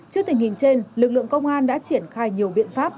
trước tình hình trên lực lượng công an đã triển khai nhiều biện pháp